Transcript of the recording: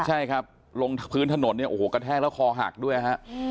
ใช่ครับลงพื้นถนนเนี่ยโอ้โหกระแทกแล้วคอหักด้วยฮะ